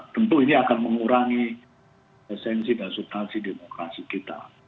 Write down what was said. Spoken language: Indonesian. tentu ini akan mengurangi esensi dan subtansi demokrasi kita